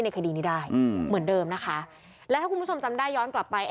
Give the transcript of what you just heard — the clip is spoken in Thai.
คดีนี้ได้อืมเหมือนเดิมนะคะแล้วถ้าคุณผู้ชมจำได้ย้อนกลับไป